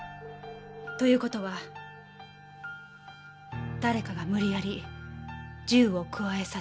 ということは誰かが無理やり銃をくわえさせ撃った。